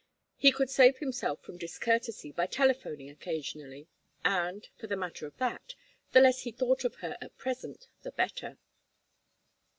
He could save himself from discourtesy by telephoning occasionally, and, for the matter of that, the less he thought of her at present the better.